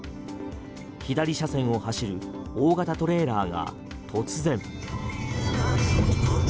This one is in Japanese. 左車線を走る大型トレーラーが突然。